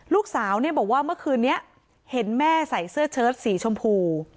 ลูกสาวเนี่ยบอกว่าเมื่อคืนนี้เห็นแม่ใส่เสื้อเชิดสีชมพู